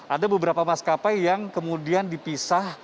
ada beberapa maskapai yang kemudian dipisah